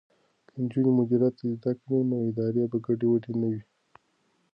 که نجونې مدیریت زده کړي نو ادارې به ګډې وډې نه وي.